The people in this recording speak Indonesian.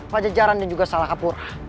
pajajara dan juga salakapura